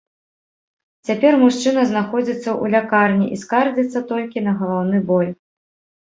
Цяпер мужчына знаходзіцца ў лякарні і скардзіцца толькі на галаўны боль.